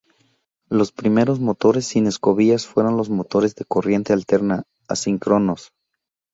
Los primeros motores sin escobillas fueron los motores de corriente alterna asíncronos.